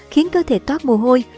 khiến cơ thể toát mồ hôi